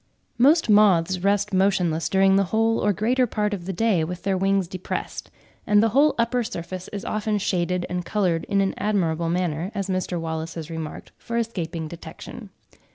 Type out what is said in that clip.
Most Moths rest motionless during the whole or greater part of the day with their wings depressed; and the whole upper surface is often shaded and coloured in an admirable manner, as Mr. Wallace has remarked, for escaping detection.